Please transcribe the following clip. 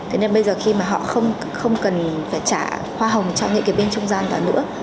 thế nên bây giờ khi mà họ không cần phải trả hoa hồng cho những cái bên trung gian đó nữa